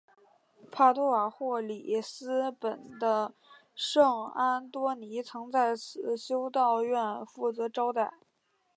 帕多瓦或里斯本的圣安多尼曾在此修道院负责招待。